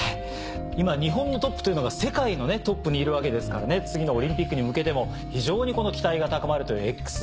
今日本のトップというのが世界のトップにいるわけですから次のオリンピックに向けても非常に期待が高まるという「ＸＧａｍｅｓ」